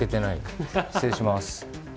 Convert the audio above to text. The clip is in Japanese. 失礼します。